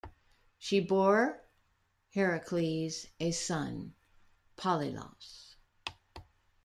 She bore Heracles a son, Polylaus.